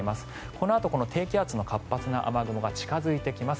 このあと低気圧の活発な雨雲が近付いてきます。